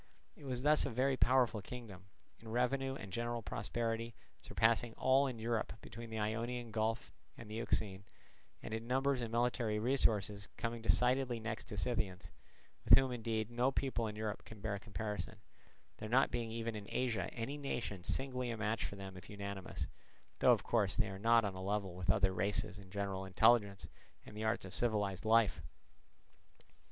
It was thus a very powerful kingdom; in revenue and general prosperity surpassing all in Europe between the Ionian Gulf and the Euxine, and in numbers and military resources coming decidedly next to the Scythians, with whom indeed no people in Europe can bear comparison, there not being even in Asia any nation singly a match for them if unanimous, though of course they are not on a level with other races in general intelligence and the arts of civilized life.